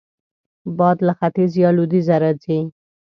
باد له ختیځ یا لوېدیځه راځي